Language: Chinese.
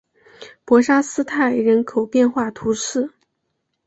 博沙斯泰人口变化图示